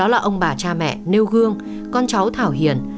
đó là ông bà cha mẹ nêu gương con cháu thảo hiền